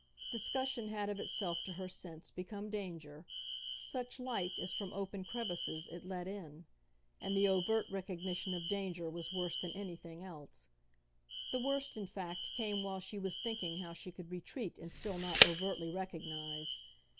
Discussion had of itself, to her sense, become danger such light, as from open crevices, it let in; and the overt recognition of danger was worse than anything else. The worst in fact came while she was thinking how she could retreat and still not overtly recognise.